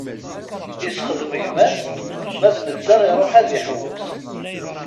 Isexdem gma-s, ma d netta iṛuḥ ad iḥewwes.